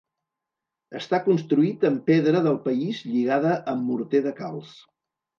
Està construït amb pedra del país lligada amb morter de calç.